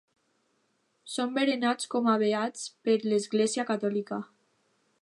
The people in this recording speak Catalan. Són venerats com a beats per l'Església catòlica.